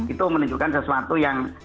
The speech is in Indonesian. itu menunjukkan sesuatu yang